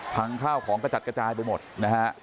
ข้าวของกระจัดกระจายไปหมดนะฮะ